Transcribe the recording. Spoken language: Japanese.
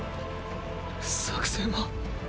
作戦は？